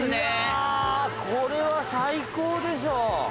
うわこれは最高でしょ。